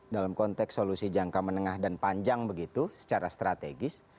dalam konteks solusi jangka menengah dan panjang begitu secara strategis